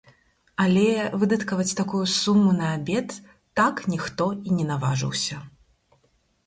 Але выдаткаваць такую суму на абед так ніхто і не наважыўся.